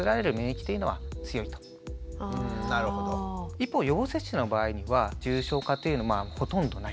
一方予防接種の場合には重症化というのはまあほとんどない。